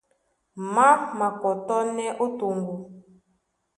Má makɔtɔ́nɛ́ ó toŋgo.